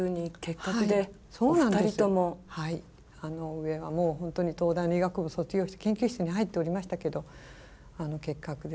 上はもう本当に東大の医学部卒業して研究室に入っておりましたけど結核で。